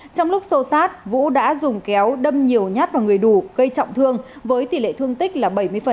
trong lúc sô sát vũ đã dùng kéo đâm nhiều nhát vào người đủ gây trọng thương với tỷ lệ thương tích là bảy mươi